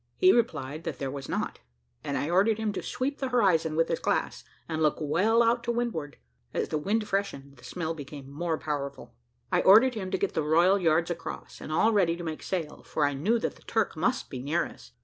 He replied `that there was not;' and I ordered him to sweep the horizon with his glass, and look well out to windward. As the wind freshened, the smell became more powerful. I ordered him to get the royal yards across, and all ready to make sail, for I knew that the Turk must be near us.